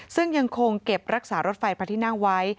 ซึ่งยังคงเก็บรักษารถไฟพระที่นั่งไว้